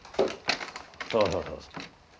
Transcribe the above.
そうそうそうそう。